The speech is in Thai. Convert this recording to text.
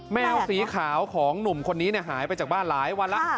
แมวสีขาวของหนุ่มคนนี้หายไปจากบ้านหลายวันแล้ว